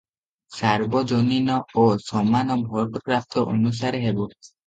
ସାର୍ବଜନୀନ ଓ ସମାନ ଭୋଟପ୍ରାପ୍ତ ଅନୁସାରେ ହେବ ।